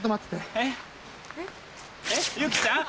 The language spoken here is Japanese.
えっユキちゃん？